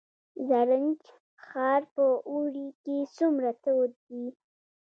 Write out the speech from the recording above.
زرنج ښار په اوړي کې څومره تود وي؟